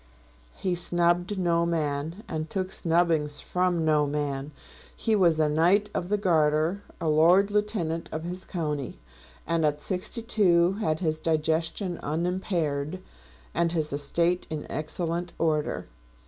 He snubbed no man, and took snubbings from no man. He was a Knight of the Garter, a Lord Lieutenant of his county, and at sixty two had his digestion unimpaired and his estate in excellent order.